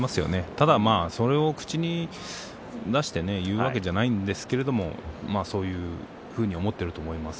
ただそれを口に出して言うわけではないんですけれどもそういうふうに思ってると思います。